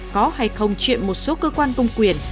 có hay không chuyện một số cơ quan công quyền